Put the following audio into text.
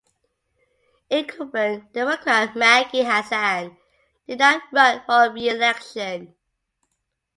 Incumbent Democrat Maggie Hassan did not run for reelection.